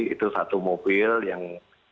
itu satu mobil yang